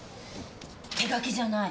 手書きじゃない。